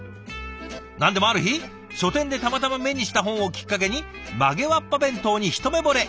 何でもある日書店でたまたま目にした本をきっかけに曲げわっぱ弁当に一目ぼれ。